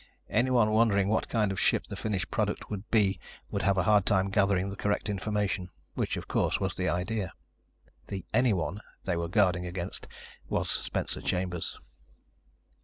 Anyone wondering what kind of ship the finished product would be would have a hard time gathering the correct information, which, of course, was the idea. The "anyone" they were guarding against was Spencer Chambers.